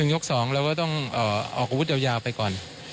ยก๒เราก็ต้องออกอาวุธยาวไปก่อน